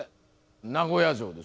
名古屋城です。